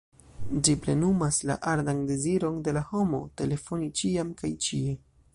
Ĝi plenumas la ardan deziron de la homo, telefoni ĉiam kaj ĉie.